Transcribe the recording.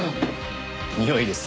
においです。